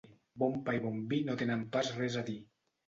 Bon pa i bon vi no tenen pas res a dir.